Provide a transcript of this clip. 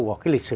vào cái lịch sử